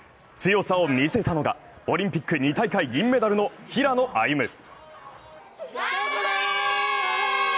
強さを見せたのがオリンピック２大会銀メダルの平野歩夢。